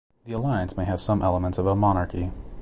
The Alliance may have some elements of a monarchy.